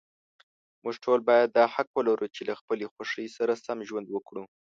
موږ ټول باید دا حق ولرو، چې له خپلې خوښې سره سم ژوند وکړو.